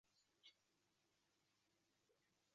Namanganda voleybolchi qizlar bahslashmoqdang